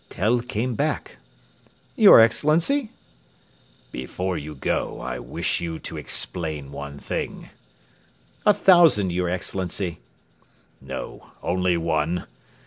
Tell came back. "Your Excellency?" "Before you go I wish you to explain one thing." "A thousand, your Excellency." "No, only one.